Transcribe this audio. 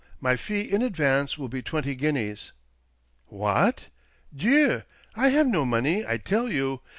My fee in advance will be twenty guineas." " What ? Dieu !— I have no money, I tell you